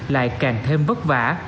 lại càng thêm vất vả